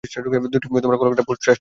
দুটিই কলকাতা পোর্ট ট্রাস্টের অধীনে।